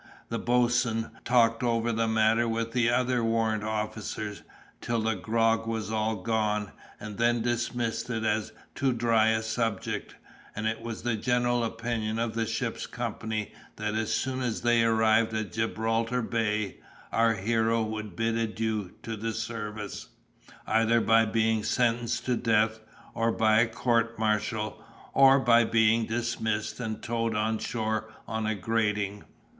The boatswain talked over the matter with the other warrant officers, till the grog was all gone, and then dismissed it as too dry a subject; and it was the general opinion of the ship's company that as soon as they arrived at Gibraltar Bay, our hero would bid adieu to the service, either by being sentenced to death by a court martial, or by being dismissed, and towed on shore on a grating.